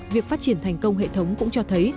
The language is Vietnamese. việc phát triển thành công hệ thống cũng cho thấy